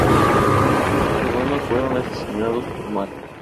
Sus hermanos fueron asesinados por Mark.